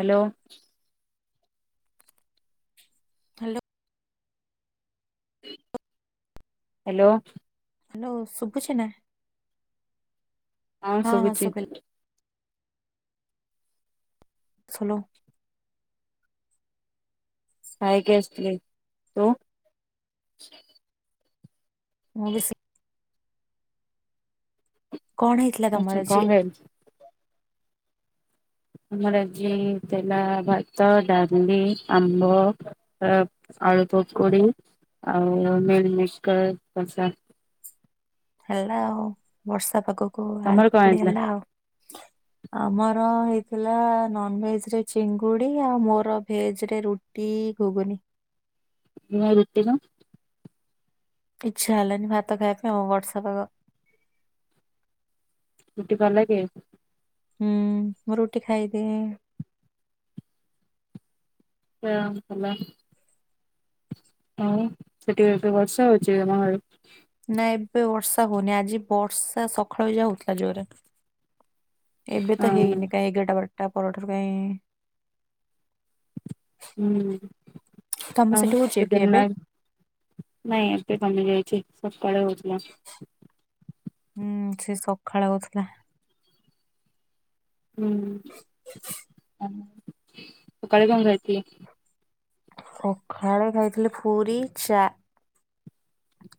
Hello. Hello. Hello. Hello ସୁୁଭୁଛି ନା। ହଁ ଶୁଭୁଛି। ସୁନୋ। ଖାଇକି ଆସିଥିଲି ତୁ? ମୁ ବି ସେଇ। କଣ ହେଇ ଅ କ [unintelligible] ଆମର ଆଜି ହେଲା ଭାତ ଡାଲି ଆମ୍ବ ଆଳୁ ପକୁଡି ଆଉ ମିଳିମିଶ କର କଷା। ହେଲା ଆଉ ବର୍ଷା ପାଗକୁ ତମର ଆଳୁ କଣ ପକୁଡି ହେଇଥିଲା? ହେଲା ଆଉ। ଆମର ହେଇଥିଲା ନନଭେଜ ରେ ଚିଙ୍ଗୁଡି ଆଉ ମୋର ଭେଜ ରେ ରୁ ଟି ଘୁଗୁନି। [unintelligible] ଇଛା ହେଲାନି ଭାତ ଖାଇବା ପାଇଁ ଉମ ବର୍ଷା ପାଗ। [unintelligible] ହୁଁ ମୁଁ ରୁଟି ଖାଇଦିଏ। [unintelligible] ହଁ ସେଠି ଏବେ ବର୍ଷା ହଉଛି ତମ ଆଡ଼େ? ନା ଏବେ ବର୍ଷା ହଉନି ଆଜି ବର୍ଷା ସକାଳୁ ଯାହା ହଉଥିଲା ଜୋରରେ। ଏବେ ହଁ ତ ହେଇନି କାଇଁ ଏଗାରଟା ବାରଟା ପରଠାରୁ କାହିଁ। ତମ ସେଠି ହଉଛି କି ଏବେ? [unintelligible] ନାଇଁ ଏବେ କମି ଯାଇଛି ସକାଳେ ହଉଥିଲା। ହୁଁ ସେ ସକାଳେ ହଉଥିଲା। ହୁଁ ସକାଳେ କଣ ଖାଇଥିଲେ? ସକାଳେ ଖାଇଥିଲି ପୁରୀ ଚା।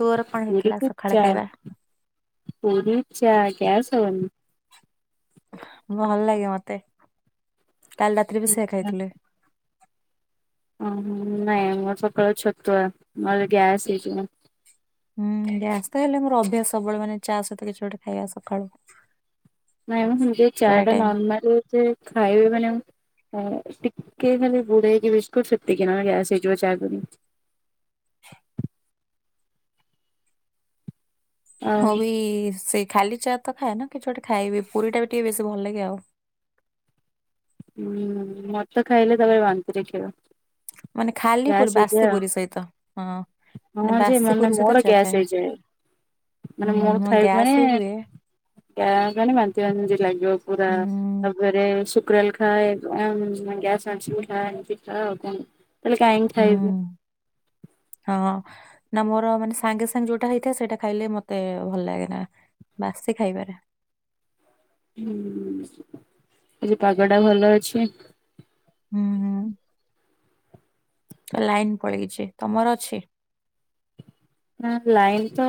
ତୋର କଣ ହେଇଥିଲା ସକାଳେ ଖାଇବା? ପୁରି ଚା ଗ୍ୟାସ ହବନି? ଭଲ ଲାଗେ ମତେ। କାଲି ରାତିରେ ବି ସେଇଆ ଆଚ୍ଛା ଖାଇଥିଲି। ଅ ନାଇଁ ମୋର ସକାଳୁ ଛତୁଆ ନହେଲେ ଗ୍ୟାସ ହେଇଯିବ। ହୁଁ ଗ୍ୟାସ ତ ହେଲେ ମୋର ଅଭ୍ୟାସ ସବୁବେଳେ ମାନେ ଚା ସହିତ କିଛି ଗୋଟେ ଖାଇବା ସକାଳୁ। ନାଇଁମ ମୁଁ ଯୋଉ ଚା ପ୍ରାୟ ଟା ଟାଇମ୍। ନର୍ମାଲ ଖାଇବି ମାନେ ଟିକେ ଖାଲି ବୁଡେଇକି ବିସ୍କୁଟ୍ ସେତିକି, ନହେଲେ ଗ୍ୟାସ ହେଇଯିବ ଚା ପିଇଲେ। ମୁଁ ଆଉ ବି ସେଇ ଖାଲି ଚା ତ ଖାଏନା କିଛି ଗୋଟେ ଖାଇବି ପୁରୀ ଟା ବି ଟିକେ ବେଶୀ ଭଲ ଲାଗେ ଆଉ। ହୁଁ ମତେ ଖାଇଲେ ତାପରେ ବାନ୍ତି ଦେଖେଇବ। ମାନେ ଖାଲି ପୁରୀ ବାସି ପୁରୀ ସହିତ। ହଁ। ମାନେ ହଁ ଯେ ବାସି ମାନେ ପୁରୀ ସହିତ ମୋର ଚା ଗ୍ୟାସ୍ ଖାଏ। ହେଇଯାଏ। ମାନେ ମୋର ହୁଁ ଖାଇବ ଗ୍ୟାସ୍ ମାନେ ବି ହୁଏ ଗ୍ୟା ମାନେ ବାନ୍ତି ବାନ୍ତି ଲାଗିବ ପୁରା। ହୁଁ ତାପରେ ଶୁକ୍ରାଲ ଖାଏ ଗ୍ୟାସ ମେଡ଼ିସିନ ଖାଏ। ଏମିତି ଖା ଆଉ କଣ। ତାହେଲେ କାହିଁକି ଖାଇବି। ହଁଁ ନା ମୋର ମାନେ ସାଙ୍ଗେ ସାଙ୍ଗେ ଯୋଉଟା ହେଇଥାଏ ସେଇଟା ଖାଇଲେ ମତେ ଭଲ ଲାଗେ ନା। ବାସି ଖାଇବାରେ। ହୁଁ। ଆଜି ପାଗ ଟା ଭଲ ଅଛି। ହୁଁ ହୁଁ। ଲାଇନ ପଳେଇଚି ତମର ଅଛି। ନା ଲାଇନ ତ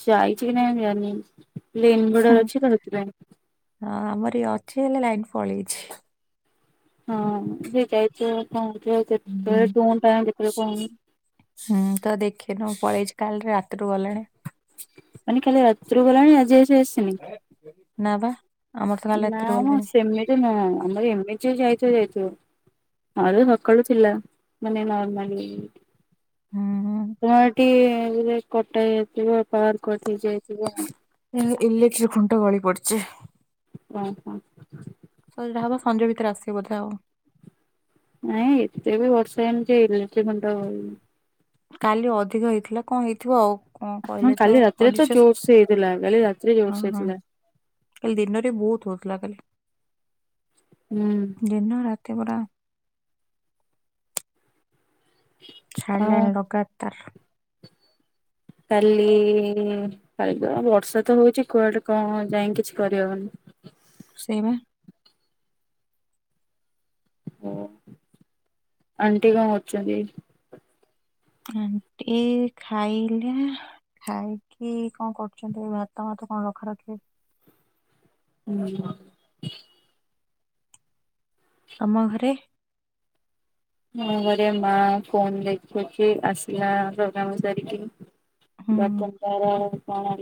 ଯାଇଚି କି ନାଇଁ ମୁଁ ଜାଣିନି। ପ୍ଲେନ ହୁଁ ବୋର୍ଡର ଅଛି ତ ସେଥିପାଇଁ। ହଁ ଆମର ଇଏ ଅଛି, ହେଲେ ଲାଇନ ପଳେଇଚି। ହଁ। ହୁଁ [unintelligible] ହୁଁ ତ ଦେଖିନୁ ପଳେଇଚି କାଲି ରାତିରୁ ଗଲାଣି। ମାନେ କାଲି ରାତିରୁ ଗଲାଣି ଆଜି ଆସି ଆସିନି। ନା ପା। ନା ମ ସେମିତି ନୁହଁ। ଆମର ଏମିତି ଯଦି ଯାଇଥିବ ଯାଇଥିବ। [unintelligible] ସକାଳୁ ଥିଲା ମାନେ ନର୍ମାଲି। ହୁଁ ତମ ଏଠି କଟା ହେଇ ଯାଇଥିବ ପାୱାରକଟ୍ ହେଇ ଯାଇଥିବ। ଇଲେ ଇଲେକ୍ଟ୍ରି ଖୁଣ୍ଟ ଗଳି ପଡିଚି। ଓ ହଁ। ସଜଡ଼ା ହବ ସଞ୍ଜ ଭିତରେ ଆସିବ ବୋଧେ ଆଉ। ନାଇଁ ଏତେ ବି ବର୍ଷା ହେଇନି ଯେ ଇଲେକ୍ଟ୍ରି ଖୁଣ୍ଟ କାଲି ଅଧିକ ହେଇଥିଲା କଣ ହେଇଥିବ ଆଉ। କଣ ହଁ କହିଲେ ତ କାଲି ରାତିରେ ତ ପଡିଛି ଜୋରସେ ହେଇଥିଲା, କାଲି ରାତି ରେ ହଁ ଜୋରସ ହଁ ହେଇଥିଲା। କାଲି ଦିନରେ ବହୁତ ହଉଥିଲା କାଲି। ହୁଁ। ଦିନ ରାତି ପୁରା। ଆଉ ଛାଡ଼ିଲାନି ଲଗାତାର। କାଲି କାଲି ତ ବର୍ଷା ତ ହଉଚି କୁଆଡେ କଣ ଯାଇ କିଛି କରିହବନି। ସେଇ ବା। ଓ। ଆଣ୍ଟି କଣ କରୁଛନ୍ତି? ଆଣ୍ଟି ଖାଇଲା ଖାଇକି କଣ କରୁଛନ୍ତି ଭାତ ଭାତ କଣ ରଖା ରଖି। [unintelligible] ତମ ଘରେ? ମୁଁ ଘରେ ମା ଫୋନ ଦେଖୁଚି। ଆସିଲା ସବୁ ସାରିକି। ହୁଁ [unintelligible] କଣ ତାର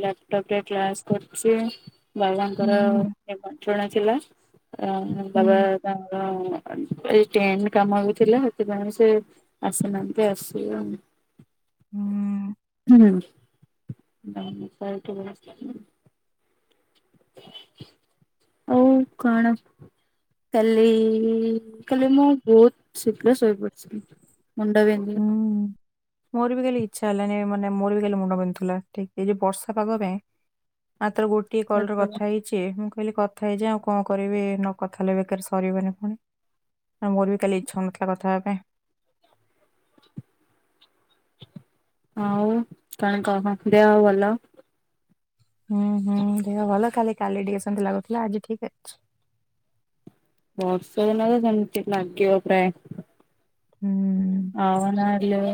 ଲାପଟପ ରେ କ୍ଲାସ କରୁଚି। ହୁଁ ବାବାଙ୍କର ଏ ପାଠ ଗୁରା ଥିଲା ହୁଁ ବାବା ତାଙ୍କର ଏଇ ଟେଣ୍ଡ କାମ ଏଇ ଥିଲା, ସେଥିପାଇଁ ସେ ଆସିନାହାନ୍ତି ଆସିବେ ଆଉ। ହୁଁ। ହୁଁ [inaudible] ହଉ କଣ? କାଲି କାଲି ମୁଁ ବହୁତ ଶୀଘ୍ର ଶୋଇପଡିଥିଲି ମୁଣ୍ଡ ବିିନ୍ଧି ହୁଁ ମୋର ବି କାଲି ଇଚ୍ଛା ହେଲାନି ମାନେ ମୋର ବି କାଲି ମୁଣ୍ଡ ବନ୍ଧୁଥିଲା ଏ ବର୍ଷା ପାଗ ପାଇଁ। ମାତ୍ର ଗୋଟିଏ କଲ ର ବିନ୍ଧିଲା। କଥା ହେଇ ମୁଁ କହିଲି କଥା ହେଇଯଏ ଆଉ କଣ କରିବି ନ କଥା ହେଲେ ବେକାର ସରିବନି ପୁଣି ମୋର ବି କାଲି ଇଚ୍ଛ ହଉନଥିଲା କଥା ହେବା ପାଇଁ। ହଉ କଣ କହ ଦେ ହଉ ଭଲ। ହୁଁ ହୁଁ ଦେହ ଭଲ କାଲି କାଲି ଟିକେସନ୍ତି ଲାଗୁଥିଲା ଆଜି ଠିକ ଅଛି। ବର୍ଷ ନ [unintelligible] ହୁଁ। ଆଉନିଲ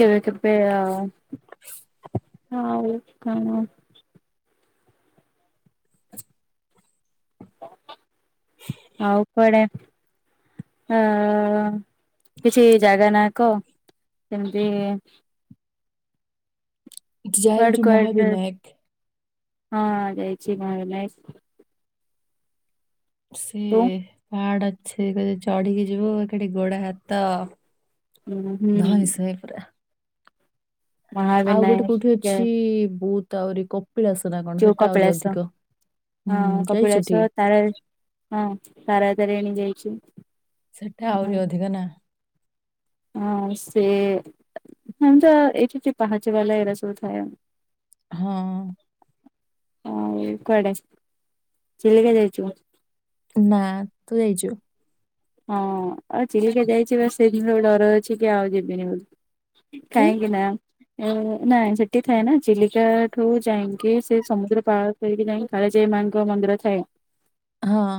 କେବେ କେବେ ଆଉ ହଉ କଣ? ଆଉ କଡେ? ଅ କିଛି ଜାଗା ନାଁ କହ? ସେମିତି ହୁଁ କୁଆଡେ ଯାଇଛୁ କୁଆଡେ ଯାଇଚି? ମହାବିନାୟକ ହଁ ଯାଇଚି ମହାବିନାୟକ। ସେି ତୁ ପାଡ ଅଛ ଚଢିକି ଯିବ ଏକାଠି ଗୋଡ ହାତ ହୁଁ ଧଇଁସଇଁପୁରା। ଆଉ ଗୋଟେ କୋଉଠି ମହାବିନାୟକ ଅଛି ବହୁତ ଆହୁରି କ ପିଳାସନା କଣ ଯୋଉ ସେଟା ଆହୁରି କପିଳାସ ଅଧିକ ହୁଁ ହଁ ଯାଇଛିଠି? [unintelligible] ହଁ ତାରାତାରିଣୀ ଯାଇଛୁ। ସେଟା ଆହୁରି ଅଧିକ ନା। ହଁ ସେ ଆମ ତ ଏଠି ପାହଞ୍ଚି ବାଲା ଏ ରସଥା ଆମ ହଁ। ଆଉ କୁଆଡେ ଚିଲିକା ଯାଇଛୁ? ନା ତୁ ଯାଇଛୁ? ହଁ ଆଉ ଚିଲିକା ଯାଇଛି ବା ସେଇ ଦିନରେ ଡର ଅଛି କି ଆଉ ଯିବିନି ବୋଲି। କି କହିଁକି ନା ନାଇଁ ସେଠି ଥାଏ ନା ଚିଲିକା ଠୁ ଯାଇକି ସେ ସମୁଦ୍ର ପାଳ ସେି ନାଇଁ କାଳିଜାଈ ମାଙ୍କ ମନ୍ଦିର ଥାଏ। ହଁ।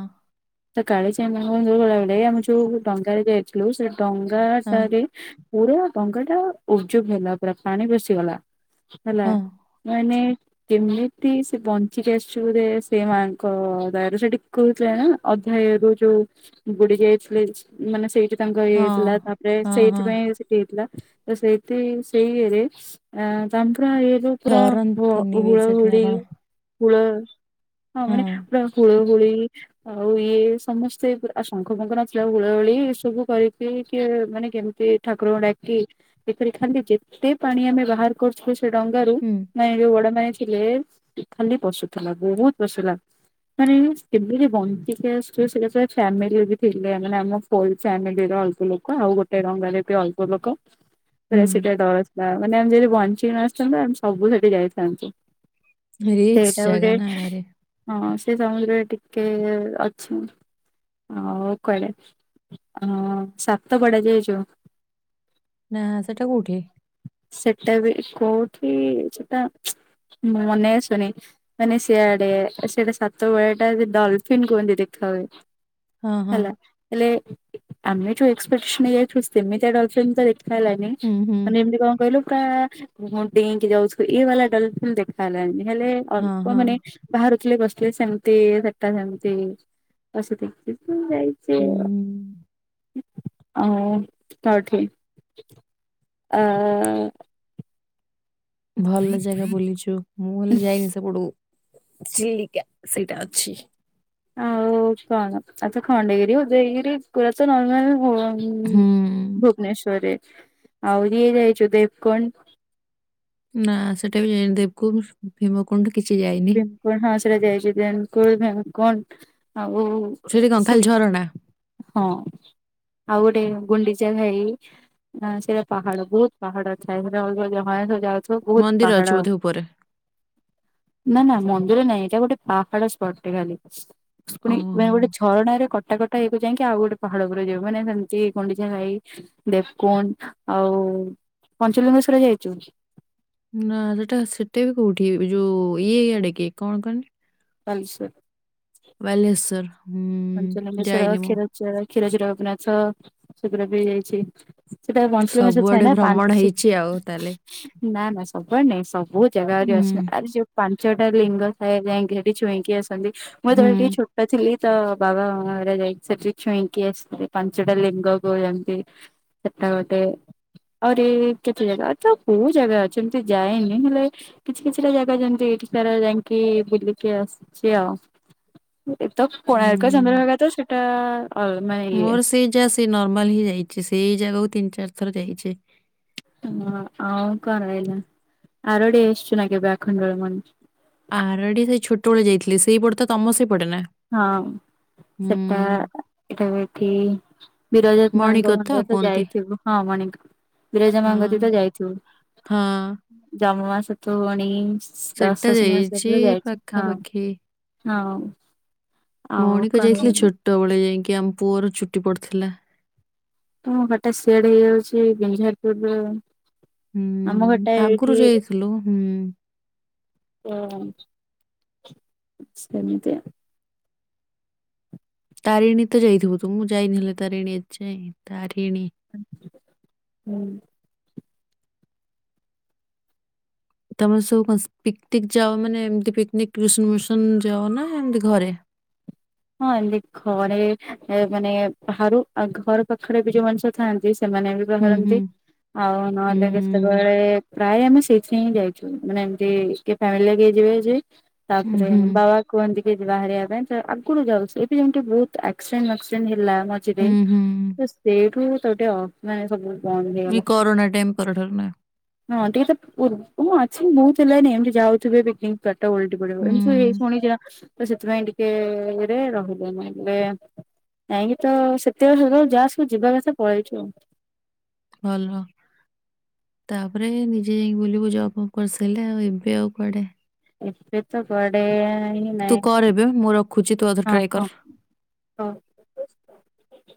ତ କାଳିଯାଇ [unintelligible] ଗଲାବେଳେ ଆମେ ଯୋଉ ଡଙ୍ଗାରେ ଯାଇଛୁ। ସେ ହଁ ଡଙ୍ଗାଟାରେ ପୁରା ଡଙ୍ଗା ଟା ଉଜୁବ ହେଇଲା ପୁରା ପାଣି ପସିିଗଲା। ହେଲା ହଁ ମାନେ କେମିତି ସେ ବଞ୍ଚିକି ଆସିଛି ବୋଧେ ସେ ମାଙ୍କ ଦୟାରୁ ସେ ଟିକେହୁଥିଲେ ନା। ଅଧ୍ୟାୟ ରୁ ଯୋଉ ବୁଡି ଯାଇଥିଲେ ମାନେ ସେଇଠି ତାଙ୍କ ଇଏ ହଁ ହେଇଥିଲା ତାପରେ ହଁ ହଁ ସେଇଥିପାଇଁ ହେଇଥିଲା ତ ସେଇଠ ସେଇରେ ଆ ତାପା ଏଇଏ ଯୋଉ ପୁରା ହ ଡରନ୍ତିନି ବି ହୁଳ ସେଠି ନା ହୁଳି। କଣ ହୁଳ ହଁ ମାନେ ପୁରା ହୁଳ ହୁଳି ଆଉ ଇଏ ସମସ୍ତେ ଆଉ ଶଙ୍ଖପୁଙ୍କ ନଥିଲା ହୁଳ ହୁଳି ଏ ସବୁ କରିକି କିଏ ମାନେ କେମିତି ଠାକୁରଙ୍କୁ ଡାକି ଏପରି ଖାଲି ଯେତେ ପାଣି ଆମେ ବାହାର କରୁଥିଲୁ ସେ ଡଙ୍ଗାରୁ ହୁଁ ନାଇଁ ଯୋଉ ବଡ ମେ ଥିଲେ ଖାଲି ପଶୁଥିଲା ବହୁତ ପସୁର ମାନେ ସେମ ଯ ବଞ୍ଚିକି ଆସ ସେଇଟା ସ ଫ୍ୟାମିଲୀ ବି ଥିଲେ ମାନେ ଆମ ଫୁଲ୍ ଫ୍ୟାମିଲୀ ର ଅଳ୍ପ ଲୋକ ଆଉ ଗୋଟେ ଡଙ୍ଗା ରେ ବି ଅଳ୍ପ ଲୋକ ହ ପୁରା ସେଇଟା ଡର ଥିଲା ମାନେ ଆମେ ଯଦି ବଞ୍ଚି ନ ଆସିଥାନ୍ତୁ ଆମେ ସବୁ ସେଠି ଯାଇଥାନ୍ତୁ ରିକ୍ସ ସେଇଟା ଜାଗା ଗୋଟେ ନା ଭାରି ହଁ ସେ ସମୁଦ୍ରରେ ଟିକେ ଅଛି ହଉ କହିଲେ ହ ସାତ ପଡ଼ା ଯାଇଛୁ ନା ସେଟା କୋଉଠି? ସେଟା ବି କୋଉଠି ସେଟା ମନେ ଆସୁନି ମାନେ ସିଆଡେ ସେଟା ସାତପଡ଼ାଟା ଡଲଫିନ୍ କୁହନ୍ତି ଦେଖା ହଏ ହଁ ହଁ ହେଲା ହେଲେ ଆମେ ଯୋଉ ଏକ୍ସପେକ୍ଟସନ୍ ରେ ଯାଇଥିଲୁ ସେତେମି ତ ଡଲଫିିନ ଦେଖି ହେଲା ନାହିଁ ଜାଣିଛୁ ହୁଁ ହୁଁ ମାନେ ଏମିତି କଣ କହିଲୁ ପୁରା ହଁ ଡେଇଁକି ଯାଉଥିବେ ଏଇ ବାଲା ଡଲ ଫିଲ୍ ଦେଖା ହେଲାନି ହେଲେ ହଁ ଅଳ୍ପ ହଁ ମାନେ ବାହାରୁଥିଲେ ପଶୁଥିଲେ ସେମତି ସେଟା ସେମିତି ବସ- ହଁ ଯାଇଥିଲୁ ହୁଁ ଆଉ ଆ ତ ଠିକ ଆ ଭଲ ଜାଗା ବୁଲିଛୁ ମୁଁ ହେଲେ ଯାଇଛି ସେପଟୁ ଚିଲିକା ସେଇଟା ଅଛି ଆଉ କଣ ଆଛା ଖଣ୍ଡଗିରି ଉଦୟଗିରି ପୁରା ତ ନର୍ମାଲ - ହୁଁ ଭୁବନେଶ୍ଵରରେ ଆଉ ରଇଏ ଯାଇଛୁ ଦେବକଣ୍ଡ? ନା ସେଟା ବି ଯାଇନି ଦେବକୁ ଭୀମକୁଣ୍ଡ କିଛି ଯାଇନି କଣ ନା ହଁ ସେଇଟା ଯାଇଛି ଦେବ କୁଣ୍ଡ, ଭୀମ କୁଣ୍ଡ ଆଉ ସେଠି କଣ ସେ- ଖାଲି ଝରଣା ହଁ ଆଉ ଗୋଟେ ଗୁଣ୍ଡିଚା ଘାଇ ନା ସେଇଟା ପାହାଡ ବହୁତ ପାହାଡ ଥାଏ [unintelligible] ଯାଉଥିବ ବହୁତ ମନ୍ଦିର ଅଛି ପାହାଡ ବୋଧେ ଉପରେ ନା ନା ମନ୍ଦିର ନାଇଁ ଏଇଟା ଗୋଟେ ପାହାଡ ସ୍ପଟ ଟେ ଖାଲି [unintelligible] ଓହୋ ଗୋଟେ ଝରଣାରେ କଟାକଟା ହେଇକୁ ଯାଇକି ଆଉ ଗୋଟେ ପାହାଡ ଉପରେ ଯିବୁ ମାନେ ସେମିତି ଗୁଣ୍ଡିଚା ଘାଇ ଦେବକୁଣ୍ଡ ଆଉ ପଞ୍ଚଲିଙ୍ଗେଶ୍ୱର ଯାଇଛୁ? ନା ସେଟା ସେଟା ବି କୋଉଠି ଯୋଉ ଇଏ ଏଇଆଡେ କି କଣ କହନି? ବାଲେଶ୍ୱର ବାଲେଶ୍ୱର ପଞ୍ଚଲିଙ୍ଗେଶ୍ଵର କ୍ଷୀରଚୋରା କ୍ଷୀରଚୋରା ଗୋପୀନାଥ ସେଗୁଡା ବି ଯାଇଛି ସେଟା ସବୁଆଡେ ଭ୍ରମଣ ହେଇଛି ଆଉ ତାହେଲେ [unintelligible] ନା ନା ସବୁ ଆଡ଼େ ନାଇଁ ସବୁ ଜାଗା ହୁଁ ଅଛି ଆ ଯୋଉ ପାଞ୍ଚଟା ଲିଙ୍ଗ ଥାଏ ଯାଇକି ହେଠି ଛୁଇଁକି ଆସନ୍ତି ମୁଁ ହୁଁ ଯେତେବେଳେ ଟିକେ ଛୋଟ ଥିଲି- ତ ବାବା ଘରିକା ସେଠି ଛୁଇଁକି ଆସିଥିଲେ ପାଞ୍ଚଟା ଲିଙ୍ଗ [unintelligible] ସେଟା ଗୋଟେ ଆହୁରି କେତେ ଜାଗା ତ କୋଉ ଜାଗା ଅଛି ଏମିତି ଯାଏନି ହେଲେ କିଛି କିଛିଟା ଜାଗା ଯେମିତି ଏଠି ସାର ଯାଇକି ବୁଲିକି ଆସିଛି ଆଉ ଏ ତ କୋଣାର୍କ ହୁଁ। ଚନ୍ଦ୍ରଭାଗା ତ ସେଟା [unintelligible] ମୋର ସେଇ ଯାହା ସେ ନର୍ମାଲ ହିଁ ଯାଇଛି ସେଇ ଜାଗାକୁ ତିନି ଚାରି ଥର ଯାଇଛି ହଁ ଆଉ କଣ [unintelligible] ଆରୋଡ଼ି ଆସିଛୁ ନା କେବେ ଆଖଣ୍ଡଳମଣୀ ଆରଡି ସେଇ ଛୋଟବେେଳେ ଯାଇଥିଲି ସେଇପଟେ ତମ ସେଇପଟେ ନା ହଁ ସେଟା ହୁଁ [unintelligible] ଏଠି ବିରଜା ମାଙ୍କ ମଣିକର ମନ୍ଦିର ତ କୁହନ୍ତି ଯାଇଥିଲୁ ହଁ ମାଣିକ ବିରଜା ହଁ ମାଙ୍କ [unintelligible] ହଁ ସେଟା [unintelligible] ଯାଇଛି ହଁ ପାଖାପାଖି ହଁ ଆଉ ମଉଣିକ କଣ ଯାଇଥିଲେ ଛୋଟ ବେଳେ ଯାଇକି ଆମ ପୁଅର ଚୁଟି ପଡିଥିଲା ହଁ ବାଟେ ସେୟାର ହେଇଯାଉଛି ବିଞ୍ଜାରପୁରର ହୁଁ ଆଗରୁ ଯାଇଥିଲୁ ହୁଁ ହଁ ସେମିତି ତାରିଣୀ ତ ଯାଇଥିବୁ ତୁ ମୁଁ ଯାଇନିଲୋ ତାରିଣୀ ଏ ଯାଇଁ ତାରିଣୀ ହୁଁ ତମେ ସବୁ ପିସ ପିକଟିକ ଯାଅ ମାନେ ଏମତି ପିକନିକ ବିଶ ମିସନ ଯାଅ ନା ଏମିତି ଘରେ। ମୁଁ ଆଣିଲି ଘରେ ମାନେ ବାହାରୁ ଆଙ୍କ ଘର ପାଖରେ ବି ଯୋଉ ମାନେ ଥାଆନ୍ତି। ସେମାନେ ବି ହୁଁ ବାହାରନ୍ତି ହୁଁ ଆଉ ହୁଁ ନହେଲେ ଯେତେବେଳେ ପ୍ରାୟ ଆମେ ସେଇଥିରେ ହିଁ ଯାଇଚୁ। ମାନେ ଏମତି କିଏ ଫ୍ୟାମିଲି ନେଇକି ଯିବେ ଯେ ହୁଁ ତାପରେ ହୁଁ ହୁଁ ବାବା କୁହନ୍ତି କି ବାହାରିବା ପାଇଁ ତ ଆଗରୁ ଯାଉଥିଲେ। ଏବେ ଯେମିତି ବହୁତ ଆକ୍ସିଡେଣ୍ଟ ମାକ୍ସିଡେଣ୍ଟ ହେଲା। ଯିବେ ହୁଁ ତ ସେଇଠୁ ତାକୁ ଗୋଟେ ମାନେ ସବୁ କଣ ଏଇ ନେଇଗଲା। କରୋନା ଟାଇମ୍ ପରଠାରୁ ନା ହଁ ଟିକେ ତା ପୃ ମୁଁ ଅଛି ବୋହୁତ ହେଲାନି ଏମିତି ଯାଉଥୁବେ। [unintelligible] ଟାଟା ଓଲଟି ପଡିବ ଏମିତି ହେଇ ହୁଁ ଶୁଣିଚି ନା ତ ସେଥିପାଇଁ ଟିକେ ଇଏରେ ରହିଲେ [unintelligible] କାହିଁକି ତ ସେତେବେଳେ [unintelligible] ଯାହା ସବୁ ଯିବା କଥା ପଳେଇଛୁ। ଭଲ। ତାପରେ ନିଜେ ଯାଇକି ବୁଲିବୁ ଜବ୍ ଫବ୍ କରିସାରିଲେ ଆଉ ଏବେ ଆଉ କୁଆଡେ ଏବେ ତ କୁଆଡେ [unintelligible] ତୁ କର ଏବେ ମୁଁ ରଖୁଛି ତୁ ଆଉ ଥରେ ଟ୍ରାଏ କର। ଅ